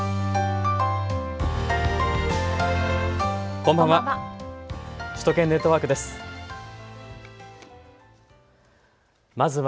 こんばんは。